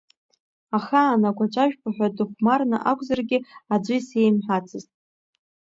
Ахаан агәаҵәажәпа ҳәа, дыхәмарны акәзаргьы, аӡәы исеимҳәацызт.